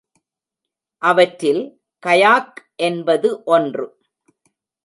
அவற்றில் கயாக் என்பது ஒன்று.